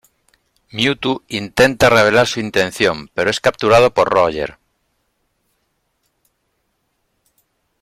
Mewtwo intenta revelar su intención, pero es capturado por Roger.